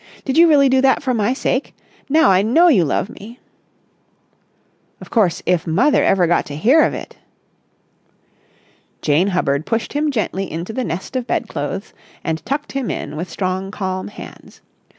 "Did you really do that for my sake? Now I know you love me!" "Of course, if mother ever got to hear of it...!" Jane Hubbard pushed him gently into the nest of bedclothes, and tucked him in with strong, calm hands.